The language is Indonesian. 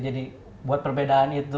jadi buat perbedaan itu gitu